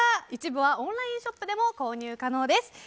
一部はオンラインショップでも購入可能です。